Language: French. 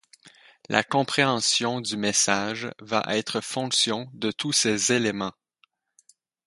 La compréhension du message va être fonction de tous ces éléments.